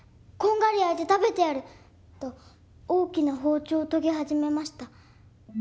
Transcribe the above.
こんがり焼いて食べてやる」と大きな包丁を研ぎ始めました。